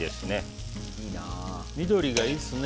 緑がいいっすね。